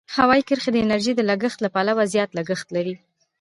هوایي کرښې د انرژۍ د لګښت له پلوه زیات لګښت لري.